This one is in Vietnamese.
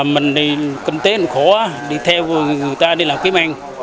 mình đi kinh tế mình khổ đi theo người ta đi làm kiếm ăn